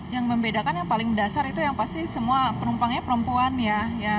yang membedakan yang paling dasar itu yang pasti semua penumpangnya perempuan ya